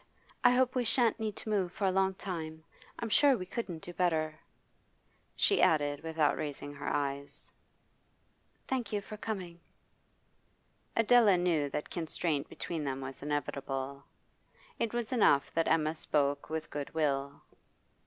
'I hope we shan't need to move for a long time; I'm sure we couldn't do better.' She added, without raising her eyes: 'Thank you for coming.' Adela knew that constraint between them was inevitable; it was enough that Emma spoke with good will.